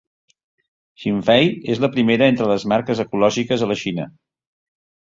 Xinfei és la primera entre les marques ecològiques a la Xina.